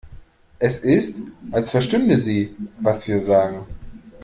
Es ist, als verstünde sie, was wir sagen.